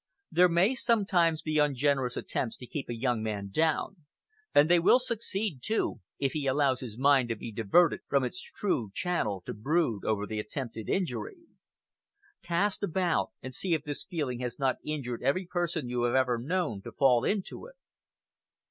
There may sometimes be ungenerous attempts to keep a young man down; and they will succeed, too, if he allows his mind to be diverted from its true channel to brood over the attempted injury. Cast about and see if this feeling has not injured every person you have ever known to fall into it."